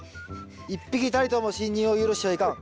一匹たりとも侵入を許してはいかん。